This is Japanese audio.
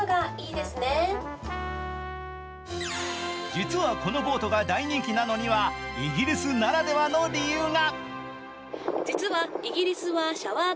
実はこのボートが大人気なのにはイギリスならではの理由が。